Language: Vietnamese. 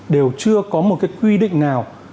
đều chưa có một cái quy định nào